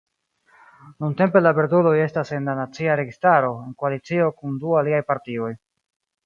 Nuntempe la Verduloj estas en la nacia registaro, en koalicio kun du aliaj partioj.